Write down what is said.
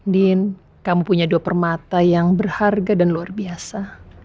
din kamu punya dua permata yang berharga dan luar biasa